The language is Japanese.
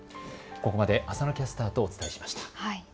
ここまで浅野キャスターとお伝えします。